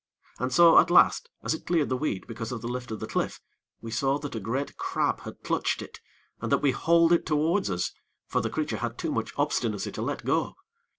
And so, at last, as it cleared the weed because of the lift of the cliff, we saw that a great crab had clutched it, and that we hauled it towards us; for the creature had too much obstinacy to let go.